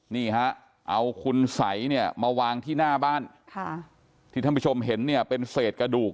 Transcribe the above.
นี่ฮะเอาคุณสัยเนี่ยมาวางที่หน้าบ้านที่ท่านผู้ชมเห็นเนี่ยเป็นเศษกระดูก